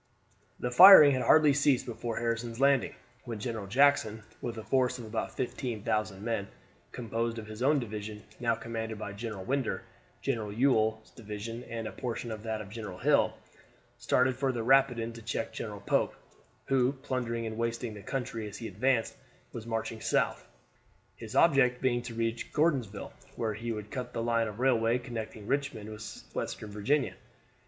The firing had hardly ceased before Harrison's Landing, when General Jackson, with a force of about 15,000 men, composed of his own division, now commanded by General Winder, General Ewell's division, and a portion of that of General Hill, started for the Rapidan to check General Pope, who, plundering and wasting the country as he advanced, was marching south, his object being to reach Gordonsville, where he would cut the line of railway connecting Richmond with Western Virginia.